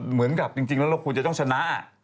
เหมือนกับจริงแล้วเราควรจะต้องชนะ